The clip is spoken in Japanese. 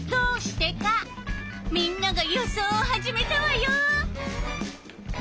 みんなが予想を始めたわよ！